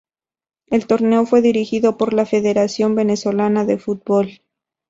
El torneo fue dirigido por la Federación Venezolana de Fútbol.